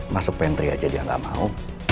masuk pantry aja dia gak mau